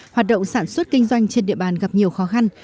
hoạt động sản xuất kinh doanh trên địa bàn gặp nhiều khó khăn